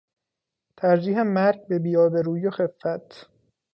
ترجیح مرگ به بی آبرویی و خفت